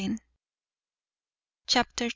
] Chapter ii.